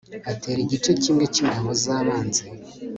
atera igice kimwe cy'ingabo z'abanzi